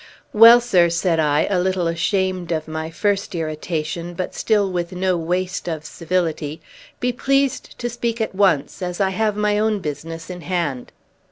"Well, sir," said I, a little ashamed of my first irritation, but still with no waste of civility, "be pleased to speak at once, as I have my own business in hand."